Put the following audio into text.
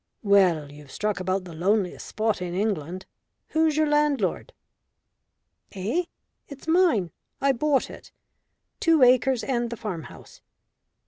"Well, you've struck about the loneliest spot in England. Who's your landlord?" "Eh? It's mine I bought it. Two acres and the farm house.